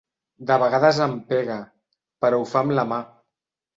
De vegades em pega, però ho fa amb la mà.